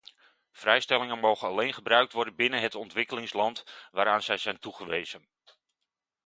Vrijstellingen mogen alleen gebruikt worden binnen het ontwikkelingsland waaraan zij zijn toegewezen.